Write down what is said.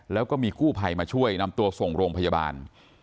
แล้วก็มีกู้ภัยมาช่วยนำตัวส่งโรงพยาบาล